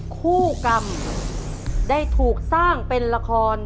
คู่กรรมได้ถูกสร้างเป็นราคอนธรทัศน์